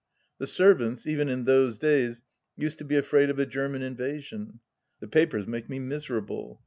The servants, even in those days, used to be afraid of a German invasion. The papers make me miserable.